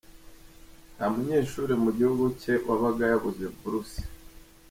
-Nta munyeshuri mu gihugu cye wabaga yabuze buruse